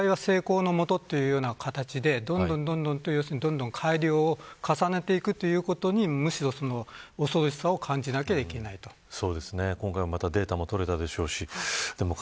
失敗は成功の元というような形でどんどん改良を重ねていくということにむしろ恐ろしさを今回、またデータも取れたでしょうし。